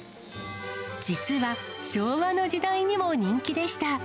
実は昭和の時代にも人気でした。